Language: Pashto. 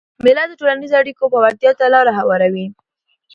مېله د ټولنیزو اړیکو پیاوړتیا ته لاره هواروي.